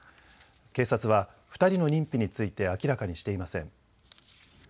警察は２人の認否について明らかにしていません。